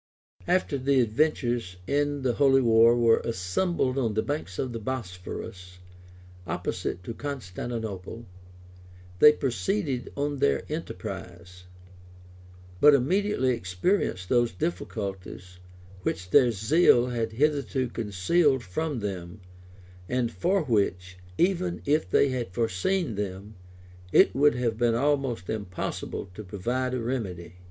} After the adventurers in the holy war were assembled on the banks of the Bosphorus, opposite to Constantinople, they proceeded on their enterprise; but immediately experienced those difficulties which their zeal had hitherto concealed from them, and for which, even if they had foreseen them, it would have been almost impossible to provide a remedy.